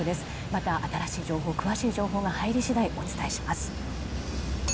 また、新しい情報詳しい情報が入り次第お伝えします。